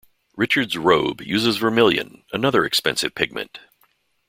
Richard's robe uses vermilion, another expensive pigment.